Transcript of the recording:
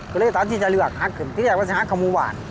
อ๋อเพราะฉะนั้นที่จะเลือกฮักขึ้นที่เรียกว่าจะฮักกับมูบัน